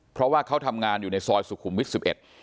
เพราะว่าเขาทำงานอยู่ในซอยสุขุมวิทย์๑๑